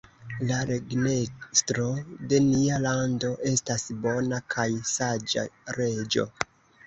La regnestro de nia lando estas bona kaj saĝa reĝo.